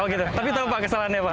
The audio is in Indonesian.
oh gitu tapi tahu pak kesalahannya pak